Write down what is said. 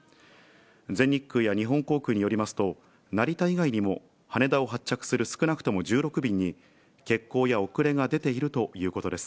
全日空や日本航空によりますと、成田以外にも、羽田を発着する少なくとも１６便に、欠航や遅れが出ているということです。